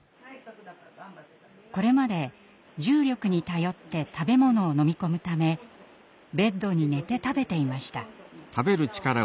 これまで重力に頼って食べ物を飲み込むためベッドに寝て食べていました。